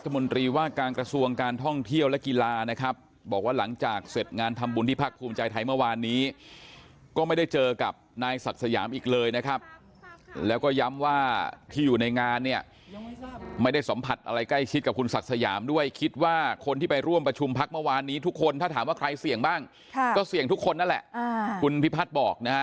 ไม่นะครับจะได้ทั้งทั้งทั้งไปทั่วครับ